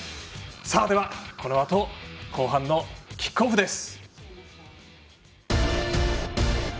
では、このあと後半キックオフです。